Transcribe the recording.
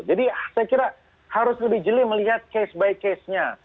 saya kira harus lebih jeli melihat case by case nya